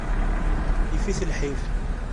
Yif-it lḥif.